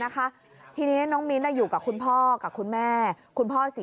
ไปหาน้องมิ้นดูสิ